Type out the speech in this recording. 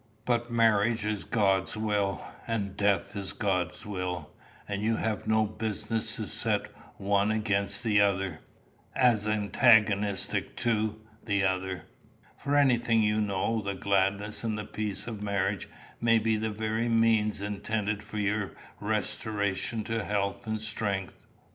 But marriage is God's will, and death is God's will, and you have no business to set the one over against, as antagonistic to, the other. For anything you know, the gladness and the peace of marriage may be the very means intended for your restoration to health and strength.